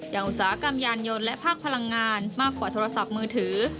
อุตสาหกรรมยานยนต์และภาคพลังงานมากกว่าโทรศัพท์มือถือ